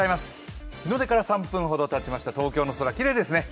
日の出から３分ほどたちました、東京の空、きれいですね。